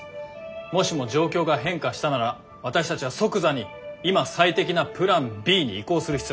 もしも状況が変化したなら私たちは即座に今最適なプランＢに移行する必要がある。